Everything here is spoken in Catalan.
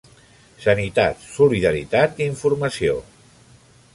Sanitat, solidaritat i informació.